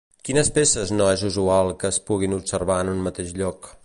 Quines peces no és usual que es puguin observar en un mateix lloc?